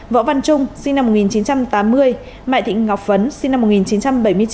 võ văn trung sinh năm một nghìn chín trăm tám mươi mẹ thị ngọc phấn sinh năm một nghìn chín trăm bảy mươi chín